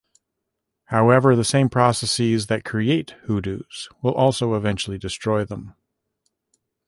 However, the same processes that create hoodoos will also eventually destroy them.